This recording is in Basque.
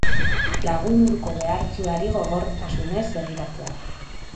Lagun hurko behartsuari gogortasunez begiratzea.